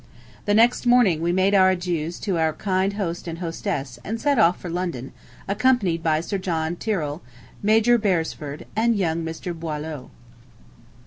... The next morning we made our adieus to our kind host and hostess, and set off for London, accompanied by Sir John Tyrrell, Major Beresford, and young Mr. Boileau.